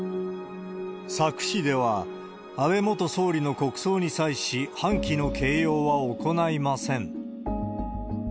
佐久市では、安倍元総理の国葬に際し、半旗の掲揚は行いません。